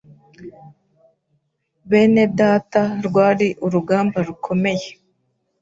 Bene data rwari urugamba rukomeye